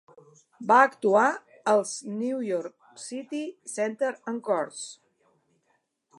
Va actuar als New York City Center Encores!